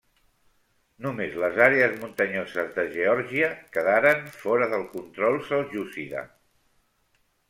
Només les àrees muntanyoses de Geòrgia quedaren fora del control seljúcida.